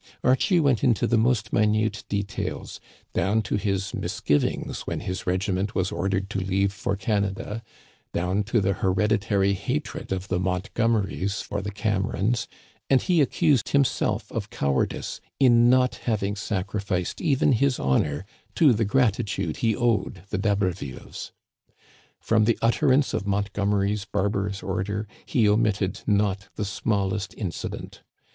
Archie went into the most minute details, down to his misgivings when his regiment was ordered to leave Digitized by VjOOQIC THE PLAINS OF ABRAHAM, 209 for Canada, down to the hereditary hatred of the Mont gomerys for the Cameron s ; and he accused himself of cowardice in not having sacrificed even his honor to the gratitude he owed the D'Habervilles. From the utter ance of Montgomery's barbarous order he omitted not the smallest incident.